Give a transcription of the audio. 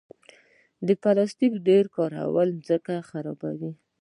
د پلاستیک ډېر کارول ځمکه خرابوي.